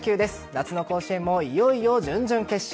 夏の甲子園もいよいよ準々決勝。